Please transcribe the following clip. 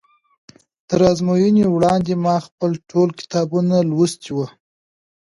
تر ازموینې وړاندې ما خپل ټول کتابونه لوستي وو.